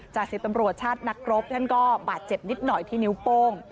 สิบตำรวจชาตินักรบท่านก็บาดเจ็บนิดหน่อยที่นิ้วโป้ง